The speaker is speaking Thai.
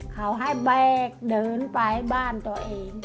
เขาให้แบกเดินไปบ้านตัวเอง